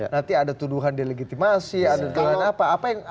nanti ada tuduhan delegitimasi ada tuduhan apa